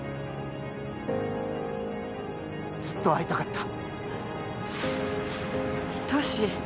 ずっと会いたかった。